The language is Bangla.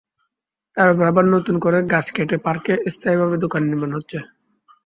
তার ওপর আবার নতুন করে গাছ কেটে পার্কে স্থায়ীভাবে দোকান নির্মাণ হচ্ছে।